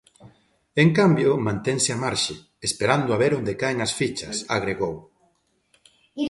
En cambio, mantense á marxe, esperando a ver onde caen as fichas, agregou.